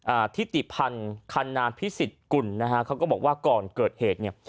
ทิติพันธ์คันนาพิสิทธิกุลนะฮะเขาก็บอกว่าก่อนเกิดเหตุเนี่ย